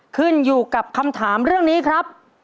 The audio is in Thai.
ขึ้นอยู่กับคำถามเรื่องนี้ครับ